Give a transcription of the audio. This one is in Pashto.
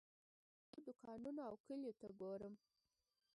لاندې لارو دوکانونو او کلیو ته ګورم.